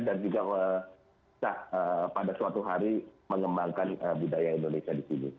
dan juga pada suatu hari mengembangkan budaya indonesia disini